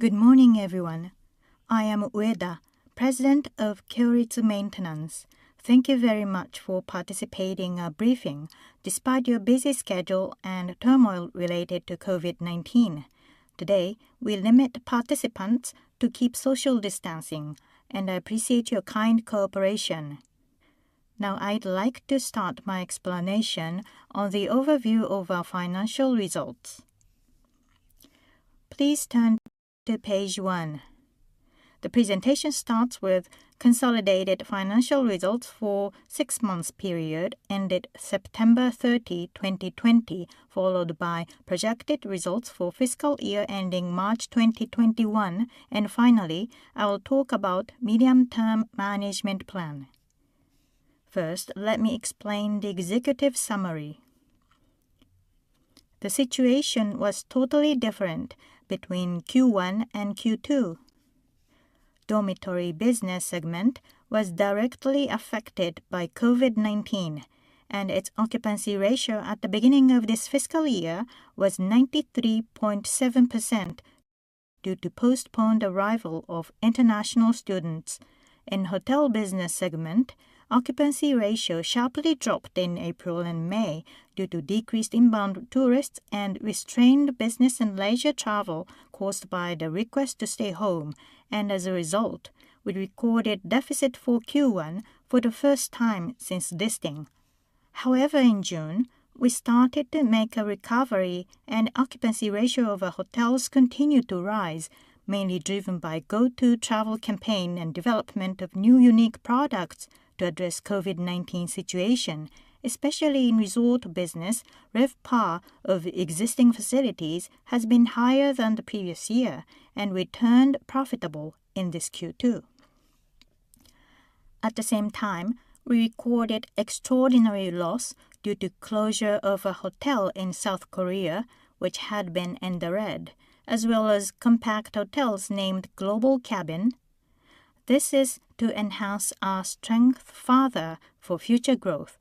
Good morning, everyone. I am Ueda, President of Kyoritsu Maintenance. Thank you very much for participating in our briefing despite your busy schedule and turmoil related to COVID-19. Today, we limit participants to keep social distancing, and I appreciate your kind cooperation. Now, I'd like to start my explanation on the overview of our financial results. Please turn to page one. The presentation starts with consolidated financial results for six months period ended September 30, 2020, followed by projected results for fiscal year ending March 2021, and finally, I will talk about medium-term management plan. First, let me explain the executive summary. The situation was totally different between Q1 and Q2. Dormitory business segment was directly affected by COVID-19, and its occupancy ratio at the beginning of this fiscal year was 93.7% due to postponed arrival of international students. In hotel business segment, occupancy ratio sharply dropped in April and May due to decreased inbound tourists and restrained business and leisure travel caused by the request to stay home, and as a result, we recorded deficit for Q1 for the first time since listing. However, in June, we started to make a recovery and occupancy ratio of our hotels continued to rise, mainly driven by Go To Travel campaign and development of new unique products to address COVID-19 situation. Especially in resort business, RevPAR of existing facilities has been higher than the previous year and we turned profitable in this Q2. At the same time, we recorded extraordinary loss due to closure of a hotel in South Korea, which had been in the red, as well as compact hotels named Global Cabin. This is to enhance our strength further for future growth.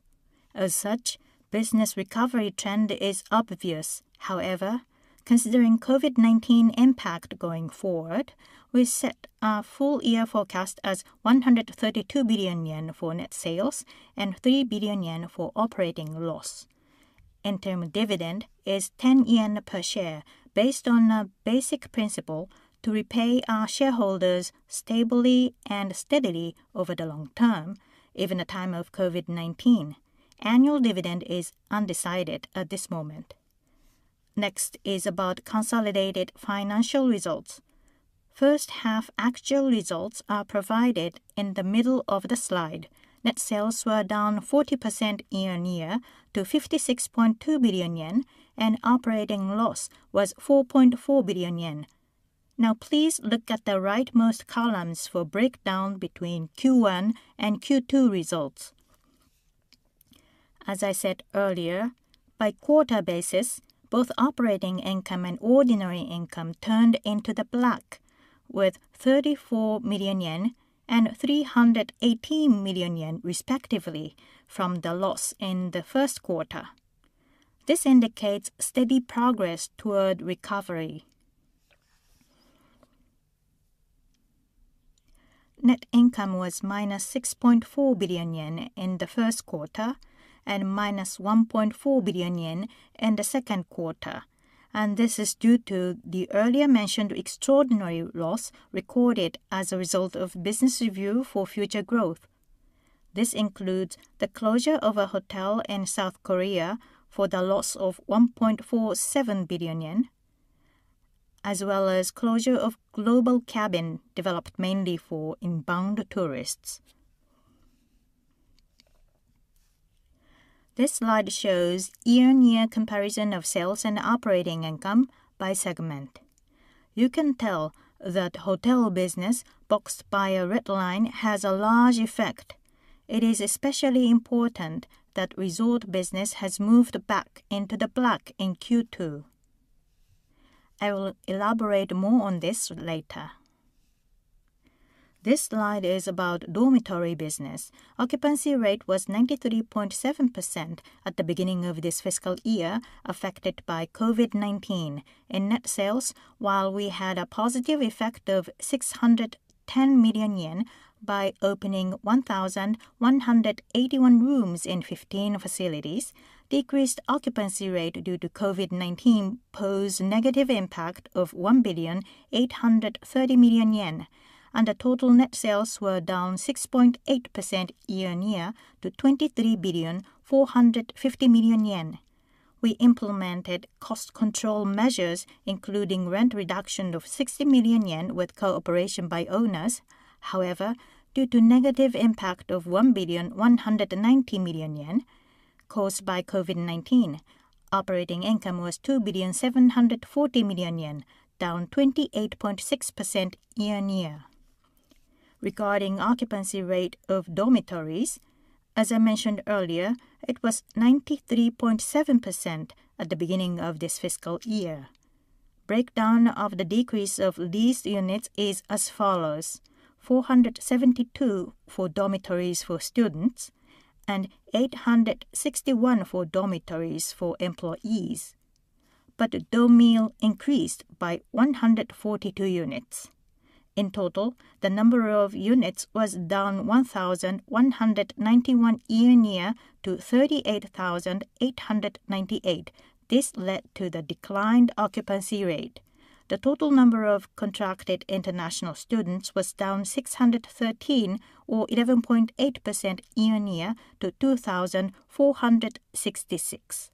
As such, business recovery trend is obvious. However, considering COVID-19 impact going forward, we set our full-year forecast as 132 billion yen for net sales and 3 billion yen for operating loss. Interim dividend is 10 yen per share based on a basic principle to repay our shareholders stably and steadily over the long term, even at time of COVID-19. Annual dividend is undecided at this moment. Next is about consolidated financial results. First half actual results are provided in the middle of the slide. Net sales were down 40% year-on-year to 56.2 billion yen, and operating loss was 4.4 billion yen. Now, please look at the rightmost columns for breakdown between Q1 and Q2 results. As I said earlier, by quarter basis, both operating income and ordinary income turned into the black, with 34 million yen and 318 million yen respectively, from the loss in the first quarter. This indicates steady progress toward recovery. Net income was -6.4 billion yen in the first quarter and -1.4 billion yen in the second quarter, and this is due to the earlier mentioned extraordinary loss recorded as a result of business review for future growth. This includes the closure of a hotel in South Korea for the loss of 1.47 billion yen, as well as closure of Global Cabin, developed mainly for inbound tourists. This slide shows year-on-year comparison of sales and operating income by segment. You can tell that hotel business boxed by a red line has a large effect. It is especially important that resort business has moved back into the black in Q2. I will elaborate more on this later. This slide is about dormitory business. Occupancy rate was 93.7% at the beginning of this fiscal year affected by COVID-19. In net sales, while we had a positive effect of 610 million yen by opening 1,181 rooms in 15 facilities, decreased occupancy rate due to COVID-19 posed negative impact of 1.83 billion, and the total net sales were down 6.8% year-on-year to 23.45 billion. We implemented cost control measures, including rent reduction of 60 million yen with cooperation by owners. However, due to negative impact of 1.19 billion caused by COVID-19, operating income was 2.74 billion, down 28.6% year-on-year. Regarding occupancy rate of dormitories, as I mentioned earlier, it was 93.7% at the beginning of this fiscal year. Breakdown of the decrease of these units is as follows: 472 for dormitories for students, and 861 for dormitories for employees, but Dormy Inn increased by 142 units. In total, the number of units was down 1,191 year-on-year to 38,898. This led to the declined occupancy rate. The total number of contracted international students was down 613, or 11.8% year-on-year, to 2,466.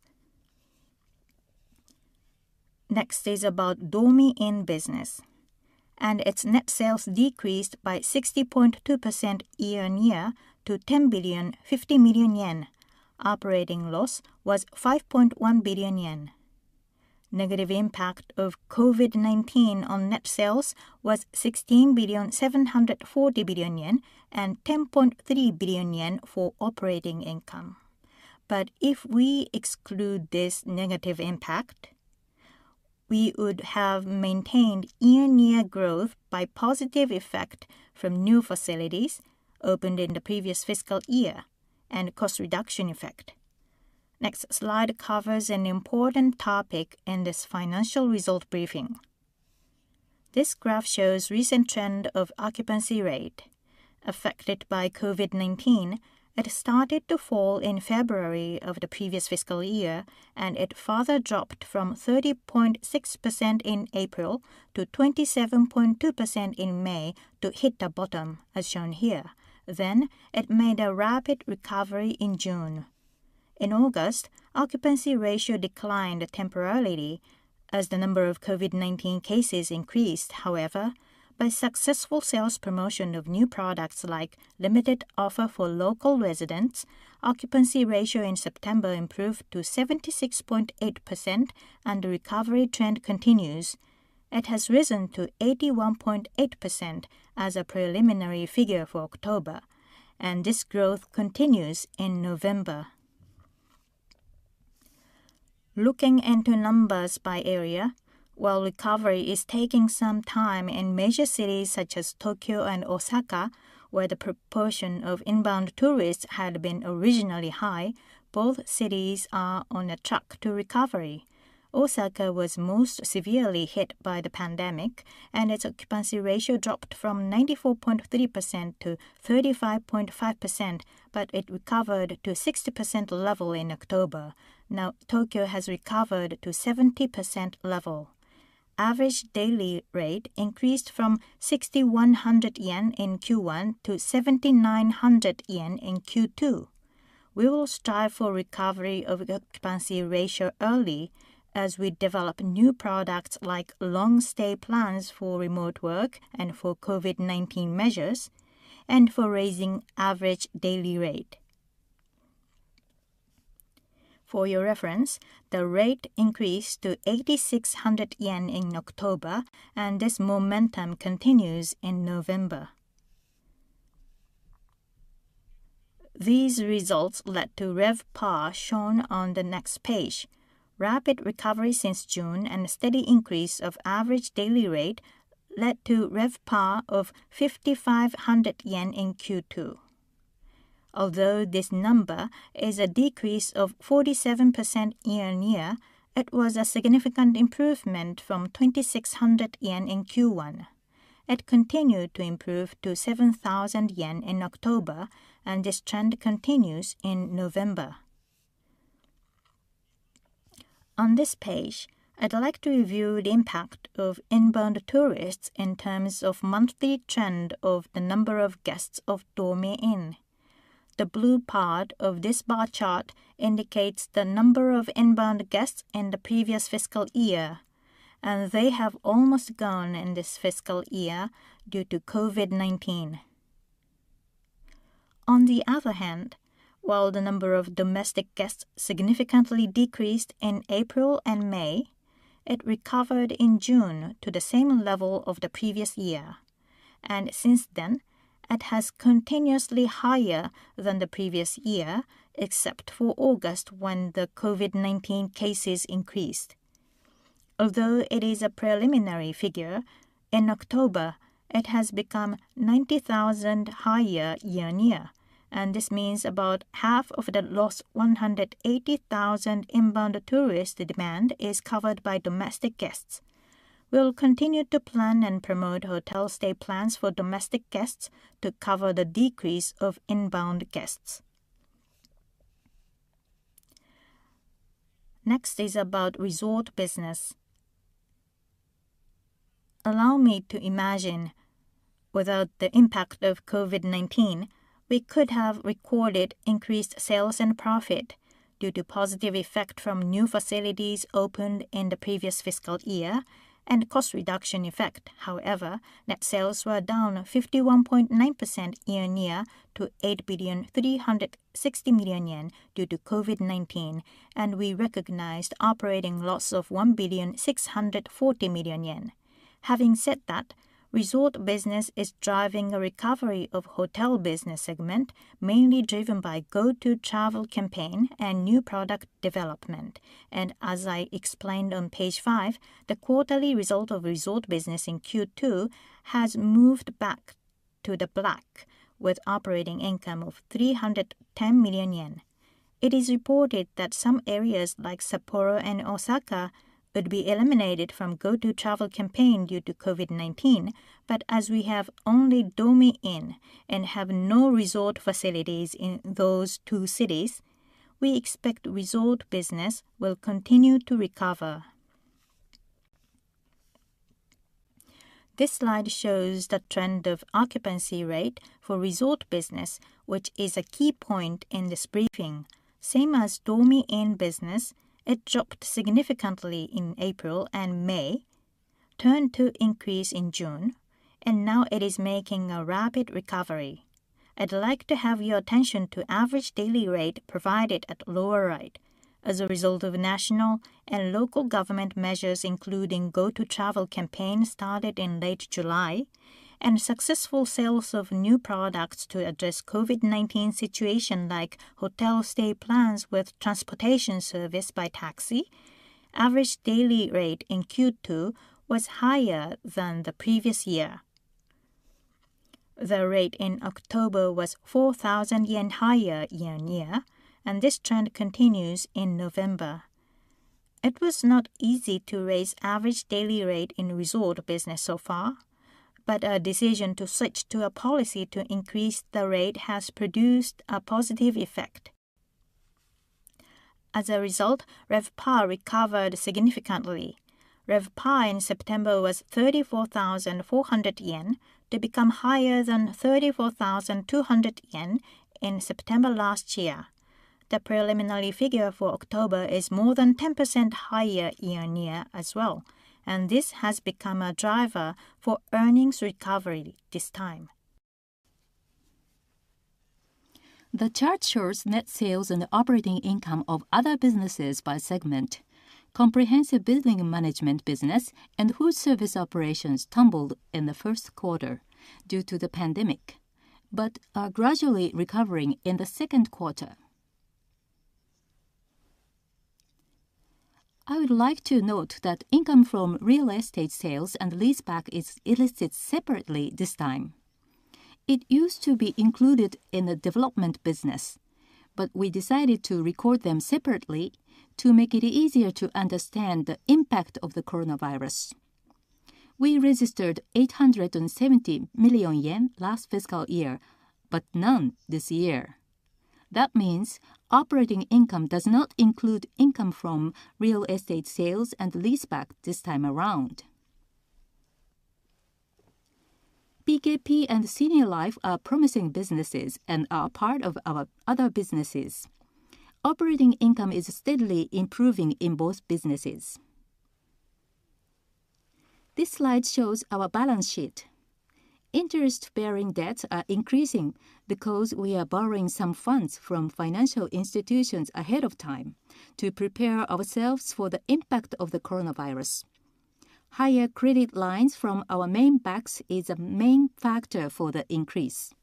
Next is about Dormy Inn business. Its net sales decreased by 60.2% year-on-year to 10.05 billion. Operating loss was 5.1 billion yen. Negative impact of COVID-19 on net sales was 16.74 billion and 10.3 billion yen for operating income. But if we exclude this negative impact, we would have maintained year-on-year growth by positive effect from new facilities opened in the previous fiscal year and cost reduction effect. Next slide covers an important topic in this financial result briefing. This graph shows recent trend of occupancy rate. Affected by COVID-19, it started to fall in February of the previous fiscal year, and it further dropped from 30.6% in April to 27.2% in May to hit the bottom, as shown here. Then, it made a rapid recovery in June. In August, occupancy ratio declined temporarily as the number of COVID-19 cases increased. However, by successful sales promotion of new products like limited offer for local residents, occupancy ratio in September improved to 76.8%, and the recovery trend continues. It has risen to 81.8% as a preliminary figure for October, and this growth continues in November. Looking into numbers by area, while recovery is taking some time in major cities such as Tokyo and Osaka, where the proportion of inbound tourists had been originally high, both cities are on a track to recovery. Osaka was most severely hit by the pandemic, and its occupancy ratio dropped from 94.3% to 35.5%, but it recovered to 60% level in October. Now, Tokyo has recovered to 70% level. Average daily rate increased from 6,100 yen in Q1 to 7,900 yen in Q2. We will strive for recovery of occupancy ratio early as we develop new products like long stay plans for remote work and for COVID-19 measures and for raising average daily rate. For your reference, the rate increased to 8,600 yen in October, and this momentum continues in November. These results led to RevPAR shown on the next page. Rapid recovery since June and a steady increase of average daily rate led to RevPAR of 5,500 yen in Q2. Although this number is a decrease of 47% year-on-year, it was a significant improvement from 2,600 yen in Q1. It continued to improve to 7,000 yen in October, and this trend continues in November. On this page, I'd like to review the impact of inbound tourists in terms of monthly trend of the number of guests of Dormy Inn. The blue part of this bar chart indicates the number of inbound guests in the previous fiscal year, and they have almost gone in this fiscal year due to COVID-19. On the other hand, while the number of domestic guests significantly decreased in April and May, it recovered in June to the same level of the previous year, and since then it has continuously higher than the previous year except for August, when the COVID-19 cases increased. Although it is a preliminary figure, in October, it has become 90,000 higher year-on-year, and this means about half of the lost 180,000 inbound tourist demand is covered by domestic guests. We'll continue to plan and promote hotel stay plans for domestic guests to cover the decrease of inbound guests. Next is about resort business. Allow me to imagine, without the impact of COVID-19, we could have recorded increased sales and profit due to positive effect from new facilities opened in the previous fiscal year and cost reduction effect. However, net sales were down 51.9% year-on-year to 8.36 billion due to COVID-19, and we recognized operating loss of 1.64 billion. Having said that, resort business is driving a recovery of hotel business segment, mainly driven by Go To Travel campaign and new product development. And as I explained on page five, the quarterly result of resort business in Q2 has moved back to the black with operating income of 310 million yen. It is reported that some areas like Sapporo and Osaka would be eliminated from Go To Travel campaign due to COVID-19, but as we have only Dormy Inn and have no resort facilities in those two cities, we expect resort business will continue to recover. This slide shows the trend of occupancy rate for resort business, which is a key point in this briefing. Same as Dormy Inn business, it dropped significantly in April and May, turned to increase in June, and now, it is making a rapid recovery. I'd like to have your attention to average daily rate provided at lower right. As a result of national and local government measures, including Go To Travel campaign started in late July, and successful sales of new products to address COVID-19 situation like hotel stay plans with transportation service by taxi, average daily rate in Q2 was higher than the previous year. The rate in October was 4,000 yen higher year-on-year, and this trend continues in November. It was not easy to raise average daily rate in resort business so far, but a decision to switch to a policy to increase the rate has produced a positive effect. As a result, RevPAR recovered significantly. RevPAR in September was 34,400 yen, to become higher than 34,200 yen in September last year. The preliminary figure for October is more than 10% higher year-on-year as well, and this has become a driver for earnings recovery this time. The chart shows net sales and operating income of other businesses by segment. Comprehensive building management business and foodservice operations tumbled in the first quarter due to the pandemic but are gradually recovering in the second quarter. I would like to note that income from real estate sales and leaseback is listed separately this time. It used to be included in the development business, but we decided to record them separately to make it easier to understand the impact of the coronavirus. We registered 870 million yen last fiscal year, but none this year. That means operating income does not include income from real estate sales and leaseback this time around. PKP and Senior Life are promising businesses and are part of our other businesses. Operating income is steadily improving in both businesses. This slide shows our balance sheet. Interest-bearing debts are increasing because we are borrowing some funds from financial institutions ahead of time to prepare ourselves for the impact of the coronavirus. Higher credit lines from our main banks is a main factor for the increase.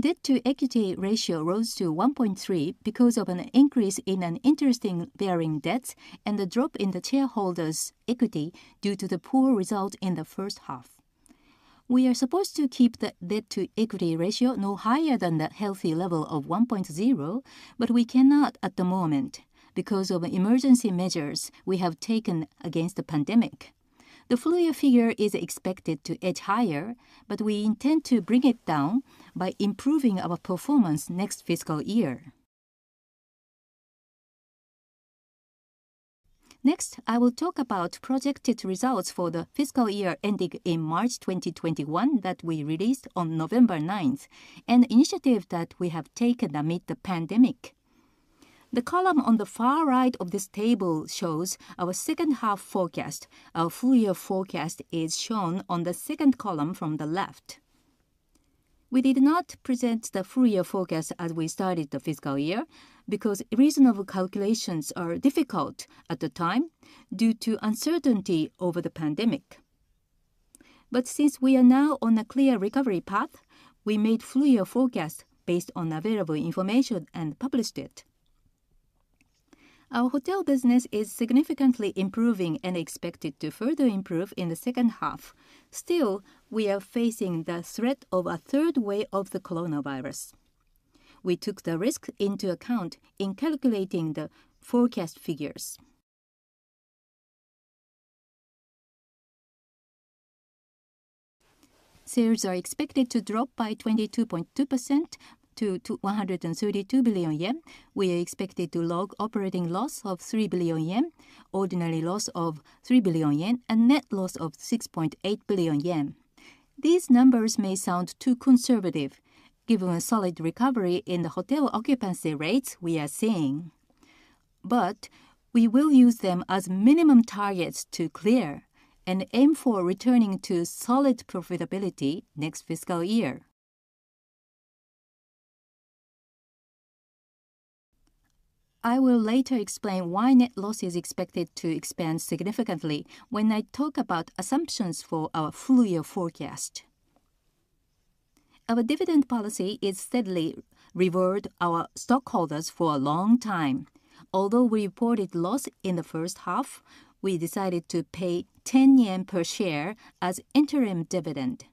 Debt-to-equity ratio rose to 1.3 because of an increase in an interest-bearing debt and a drop in the shareholders' equity due to the poor result in the first half. We are supposed to keep the debt-to-equity ratio no higher than the healthy level of 1.0, but we cannot at the moment because of emergency measures we have taken against the pandemic. The full-year figure is expected to edge higher, but we intend to bring it down by improving our performance next fiscal year. Next, I will talk about projected results for the fiscal year ending in March 2021 that we released on November 9th, an initiative that we have taken amid the pandemic. The column on the far right of this table shows our second-half forecast. Our full-year forecast is shown on the second column from the left. We did not present the full-year forecast as we started the fiscal year because reasonable calculations are difficult at the time due to uncertainty over the pandemic. But since we are now on a clear recovery path, we made full-year forecast based on available information and published it. Our hotel business is significantly improving and expected to further improve in the second half. Still, we are facing the threat of a third wave of the coronavirus. We took the risk into account in calculating the forecast figures. Sales are expected to drop by 22.2% to 132 billion yen. We are expected to log operating loss of 3 billion yen, ordinary loss of 3 billion yen, and net loss of 6.8 billion yen. These numbers may sound too conservative given the solid recovery in the hotel occupancy rates we are seeing, but we will use them as minimum targets to clear and aim for returning to solid profitability next fiscal year. I will later explain why net loss is expected to expand significantly when I talk about assumptions for our full-year forecast. Our dividend policy is steadily reward our stockholders for a long time. Although we reported loss in the first half, we decided to pay 10 yen per share as interim dividend.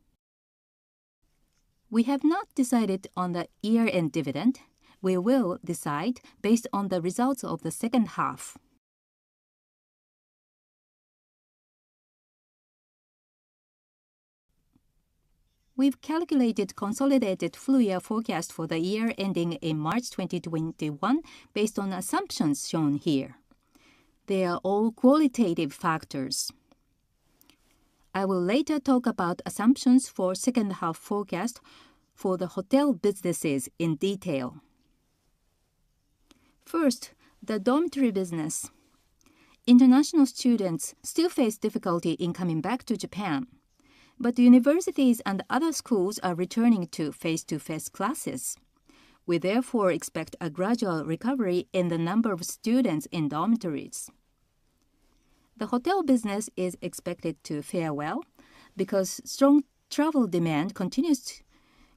We have not decided on the year-end dividend. We will decide based on the results of the second half. We've calculated consolidated full-year forecast for the year ending in March 2021 based on assumptions shown here. They are all qualitative factors. I will later talk about assumptions for second-half forecast for the hotel businesses in detail. First, the dormitory business. International students still face difficulty in coming back to Japan, but universities and other schools are returning to face-to-face classes. We therefore expect a gradual recovery in the number of students in dormitories. The hotel business is expected to fare well because strong travel demand continues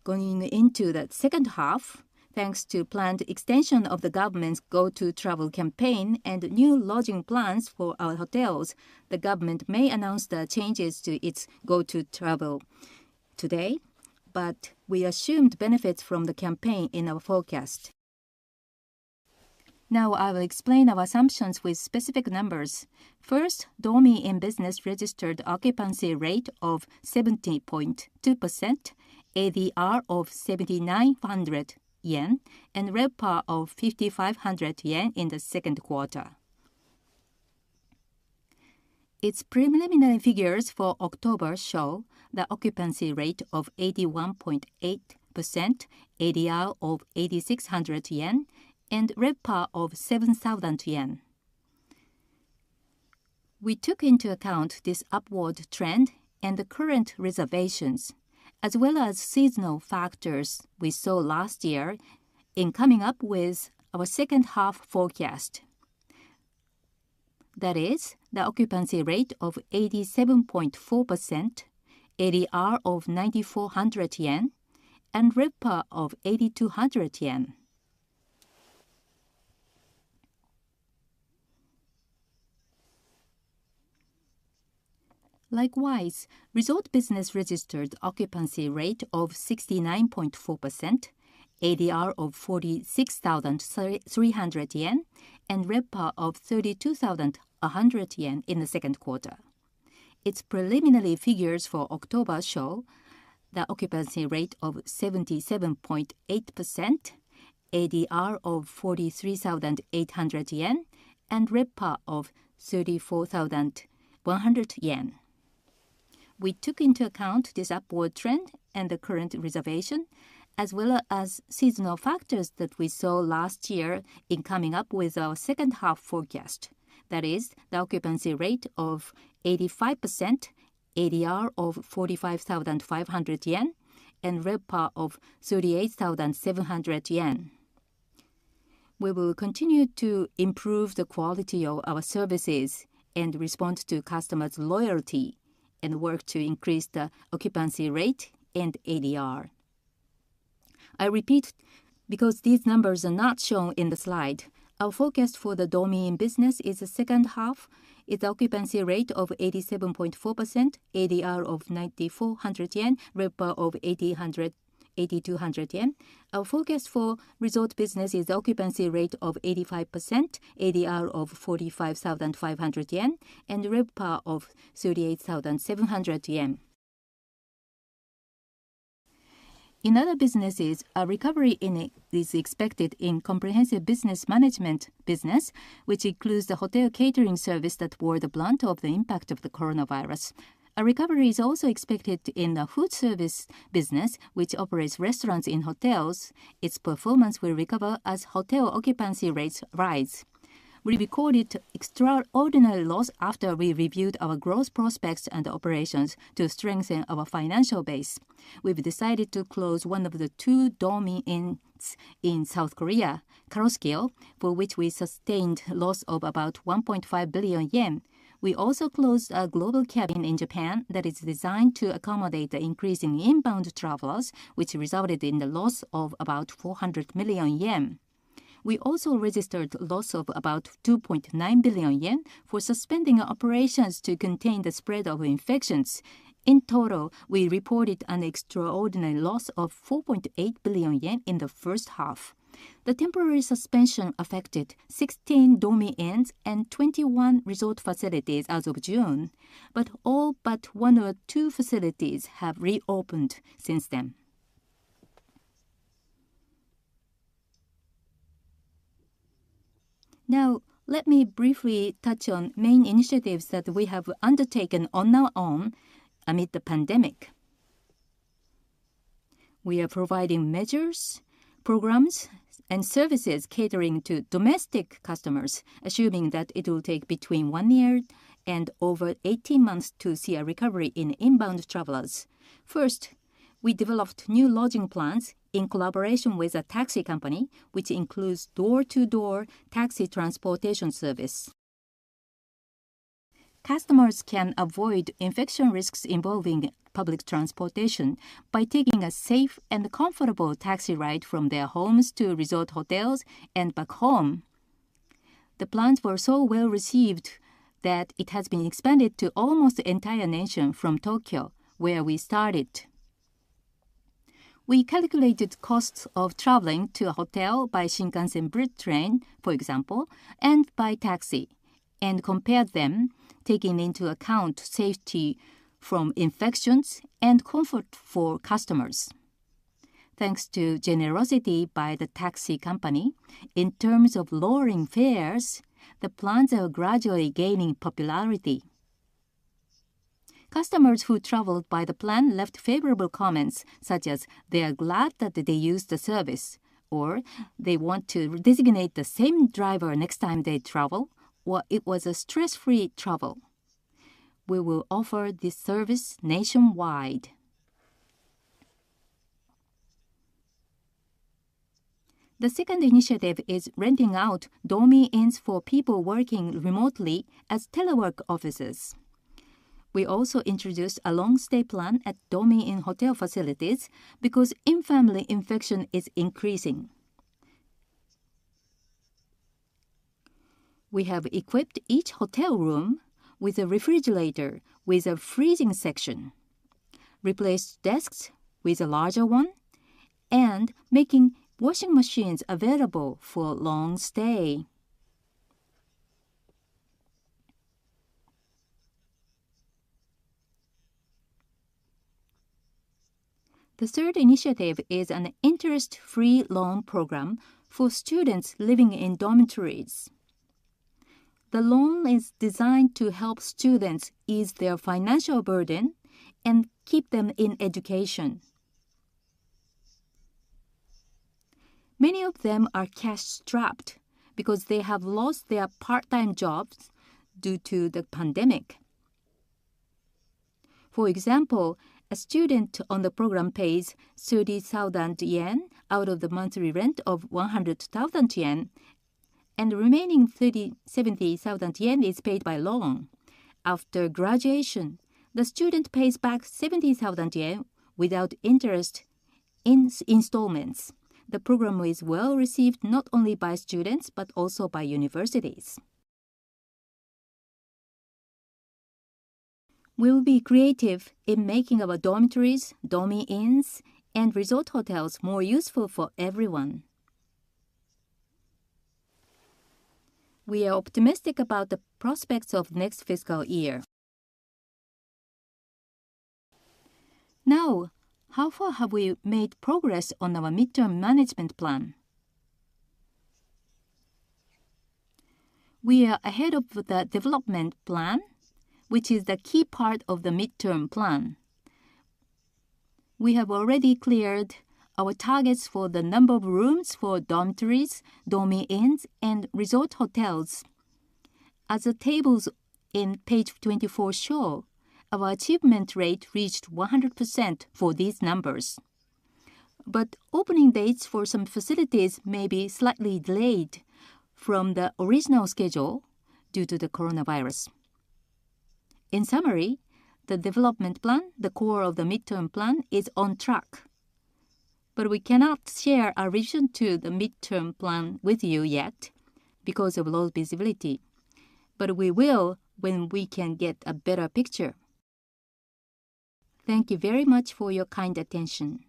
going into the second half, thanks to planned extension of the government's Go To Travel campaign and new lodging plans for our hotels. The government may announce the changes to its Go To Travel today, but we assumed benefits from the campaign in our forecast. Now, I will explain our assumptions with specific numbers. First, Dormy Inn business registered occupancy rate of 70.2%, ADR of JPY 7,900, and RevPAR of 5,500 yen in the second quarter. Its preliminary figures for October show the occupancy rate of 81.8%, ADR of 8,600 yen, and RevPAR of 7,000 yen. We took into account this upward trend and the current reservations, as well as seasonal factors we saw last year in coming up with our second-half forecast, that is, the occupancy rate of 87.4%, ADR of 9,400 yen, and RevPAR of 8,200 yen. Likewise, resort business registered occupancy rate of 69.4%, ADR of 46,300 yen, and RevPAR of 32,100 yen in the second quarter. Its preliminary figures for October show the occupancy rate of 77.8%, ADR of 43,800 yen, and RevPAR of 34,100 yen. We took into account this upward trend and the current reservation, as well as seasonal factors that we saw last year in coming up with our second-half forecast, that is, the occupancy rate of 85%, ADR of 45,500 yen, and RevPAR of 38,700 yen. We will continue to improve the quality of our services and respond to customers' loyalty and work to increase the occupancy rate and ADR. I repeat, because these numbers are not shown in the slide, our forecast for the Dormy Inn business is the second half is the occupancy rate of 87.4%, ADR of 9,400 yen, RevPAR of 8,200 yen. Our forecast for resort business is the occupancy rate of 85%, ADR of 45,500 yen, and RevPAR of 38,700 yen. In other businesses, a recovery is expected in comprehensive business management business, which includes the hotel catering service that bore the brunt of the impact of the coronavirus. A recovery is also expected in the foodservice business, which operates restaurants in hotels. Its performance will recover as hotel occupancy rates rise. We recorded extraordinary loss after we reviewed our growth prospects and operations to strengthen our financial base. We've decided to close one of the two Dormy Inns in South Korea, Garosu-gil, for which we sustained loss of about 1.5 billion yen. We also closed a Global Cabin in Japan that is designed to accommodate the increase in inbound travelers, which resulted in the loss of about 400 million yen. We also registered loss of about 2.9 billion yen for suspending operations to contain the spread of infections. In total, we reported an extraordinary loss of 4.8 billion yen in the first half. The temporary suspension affected 16 Dormy Inns and 21 resort facilities as of June, but all but one or two facilities have reopened since then. Now, let me briefly touch on main initiatives that we have undertaken on our own amid the pandemic. We are providing measures, programs, and services catering to domestic customers, assuming that it will take between one year and over 18 months to see a recovery in inbound travelers. First, we developed new lodging plans in collaboration with a taxi company, which includes door-to-door taxi transportation service. Customers can avoid infection risks involving public transportation by taking a safe and comfortable taxi ride from their homes to resort hotels and back home. The plans were so well-received that it has been expanded to almost the entire nation from Tokyo, where we started. We calculated costs of traveling to a hotel by Shinkansen bullet train, for example, and by taxi, and compared them, taking into account safety from infections and comfort for customers. Thanks to generosity by the taxi company in terms of lowering fares, the plans are gradually gaining popularity. Customers who traveled by the plan left favorable comments, such as they are glad that they used the service, or they want to designate the same driver next time they travel, or it was a stress-free travel. We will offer this service nationwide. The second initiative is renting out Dormy Inns for people working remotely as telework offices. We also introduced a long-stay plan at Dormy Inn hotel facilities because in-family infection is increasing. We have equipped each hotel room with a refrigerator with a freezing section, replaced desks with a larger one, and making washing machines available for long stay. The third initiative is an interest-free loan program for students living in dormitories. The loan is designed to help students ease their financial burden and keep them in education. Many of them are cash-strapped because they have lost their part-time jobs due to the pandemic. For example, a student on the program pays 30,000 yen out of the monthly rent of 100,000 yen, and the remaining 70,000 yen is paid by loan. After graduation, the student pays back 70,000 yen without interest in installments. The program is well-received not only by students but also by universities. We will be creative in making our dormitories, Dormy Inns, and resort hotels more useful for everyone. We are optimistic about the prospects of next fiscal year. Now, how far have we made progress on our mid-term management plan? We are ahead of the development plan, which is the key part of the mid-term plan. We have already cleared our targets for the number of rooms for dormitories, Dormy Inns, and resort hotels. As the tables on page 24 show, our achievement rate reached 100% for these numbers. But opening dates for some facilities may be slightly delayed from the original schedule due to the coronavirus. In summary, the development plan, the core of the mid-term plan, is on track, but we cannot share our vision to the mid-term plan with you yet because of low visibility. But we will when we can get a better picture. Thank you very much for your kind attention.